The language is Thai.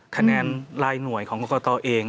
คะแนนรายหน่วยของกรกตเอง